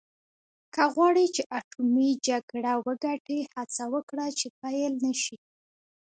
که غواړې چې اټومي جګړه وګټې هڅه وکړه چې پیل نه شي.